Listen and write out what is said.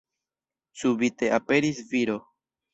Subite aperis viro.